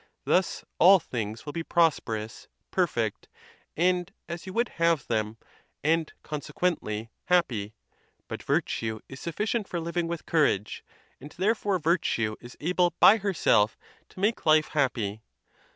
Thus all things will be prosper ous, perfect, and as you would have them, and, consequent ly, happy; but virtue is sufficient for living with courage, and therefore virtue is able by herself to make life happy.